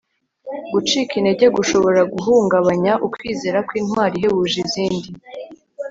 Gucika intege gushobora guhungabanya ukwizera kwintwari ihebuje izindi